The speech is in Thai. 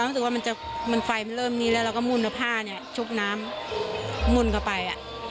และภาพชุบน้ำมุ่นกลับไป